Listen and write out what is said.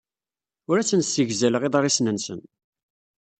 Ur asen-ssegzaleɣ iḍrisen-nsen.